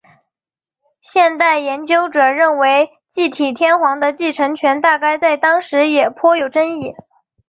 现代研究者认为继体天皇的继承权大概在当时也颇有争议。